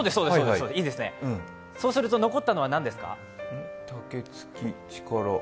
いいですね、そうすると残ったのは何ですか？